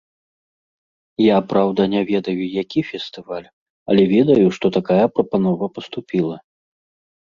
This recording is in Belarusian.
Я, праўда, не ведаю, які фестываль, але ведаю, што такая прапанова паступіла.